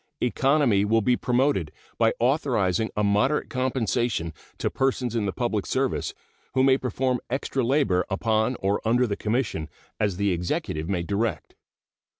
Economy will be promoted by authorizing a moderate compensation to persons in the public service who may perform extra labor upon or under the Commission, as the Executive may direct.